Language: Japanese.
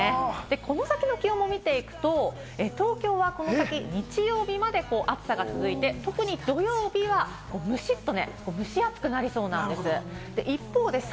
この先の気温を見ていくと、東京は、この先、日曜日まで暑さが続いて特に土曜日はムシっと蒸し暑くなりそうなんです。